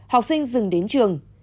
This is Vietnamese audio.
học sinh dừng đến trường